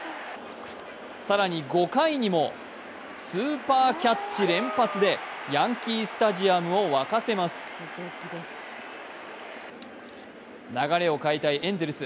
更に５回にも、スーパーキャッチ連発でヤンキー・スタジアムを沸かせます流れを変えたいエンゼルス。